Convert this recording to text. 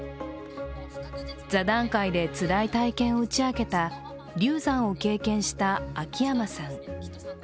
座談会でつらい体験を打ち明けた流産を経験した秋山さん。